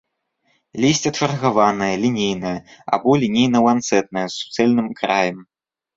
Лісце чаргаванае, лінейнае або лінейна-ланцэтнае, з суцэльным краем.